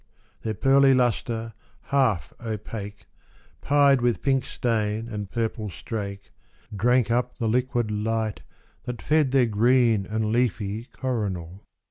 Their pearly lustre, half opaque, Pied with pink stain and purple strakc. Drank up the liquid light that fed Their green and leafy coronal.